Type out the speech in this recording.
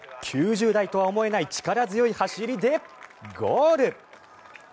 ９０代とは思えない力強い走りでゴール。